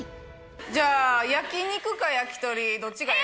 じゃあ、焼き肉か焼き鳥どっちがええ？